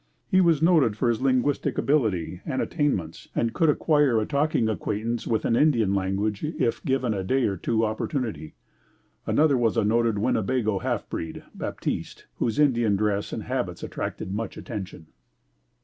He was noted for his linguistic ability and attainments and could acquire a talking acquaintance with an Indian language if given a day or two opportunity; another was a noted Winnebago half breed, Baptiste, whose Indian dress and habits attracted much attention.